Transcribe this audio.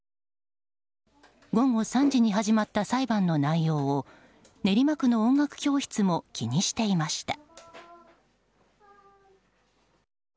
午後３時に始まった裁判の内容を練馬区の音楽教室も気にしていました。